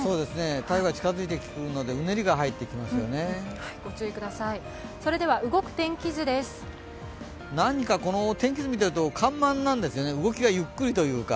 台風が近づいてくるのでうねりが入ってきますよね。